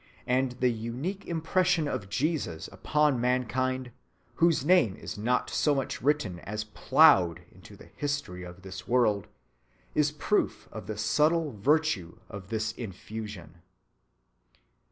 And the unique impression of Jesus upon mankind, whose name is not so much written as ploughed into the history of this world, is proof of the subtle virtue of this infusion."